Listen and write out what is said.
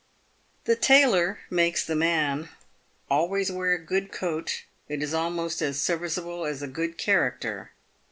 The tailor makes the man. Always wear a good coat. It is almost as serviceable as a good character.